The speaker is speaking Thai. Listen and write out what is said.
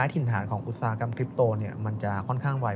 ถิ่นฐานของอุตสาหกรรมคลิปโตมันจะค่อนข้างไว